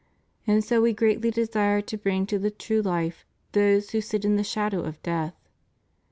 And so We greatly desire to bring to the true life those who sit in the shadow of death.